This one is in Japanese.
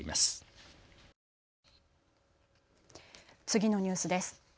次のニュースです。